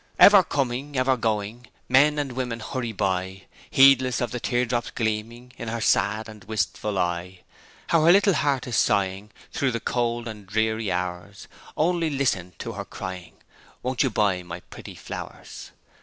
'Ever coming, ever going, Men and women hurry by, Heedless of the tear drops gleaming, In her sad and wistful eye How her little heart is sighing Thro' the cold and dreary hours, Only listen to her crying, "Won't you buy my pretty flowers?"'